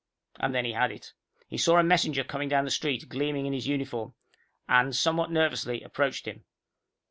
And then he had it. He saw a messenger coming down the street, gleaming in his uniform, and, somewhat nervously, approached him.